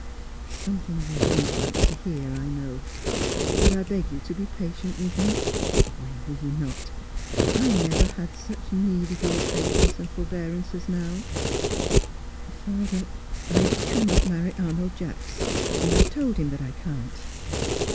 "Something you won't like to hear, I know; but I beg you to be patient with me. When were you not? I never had such need of your patience and forbearance as now Father, I cannot marry Arnold Jacks. And I have told him that I can't."